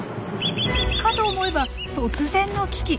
かと思えば突然の危機！